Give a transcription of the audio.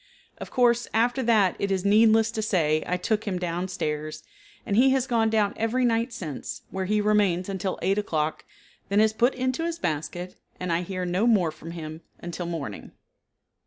Of course, after that it is needless to say I took him down stairs, and he has gone down every night since, where he remains until 8 o'clock, then is put into his basket, and I hear no more from him until morning.